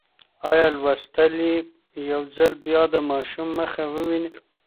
انا غوښتل چې یو ځل بیا د ماشوم مخ وویني.